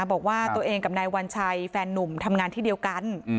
บอกว่าตัวเองกับนายวัญชัยแฟนนุ่มทำงานที่เดียวกัน